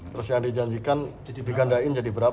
terus yang dijanjikan digandain jadi berapa